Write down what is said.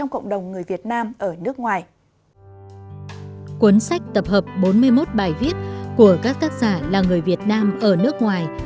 cuốn sách tập hợp bốn mươi một bài viết của các tác giả là người việt nam ở nước ngoài